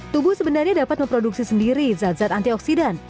tubuh sebenarnya dapat memproduksi sendiri zat zat antioksidan